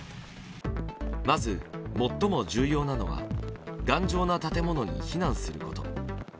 まず、最も重要なのは頑丈な建物に避難すること。